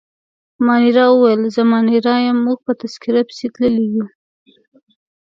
مانیرا وویل: زه مانیرا یم، موږ په تذکیره پسې تللي وو.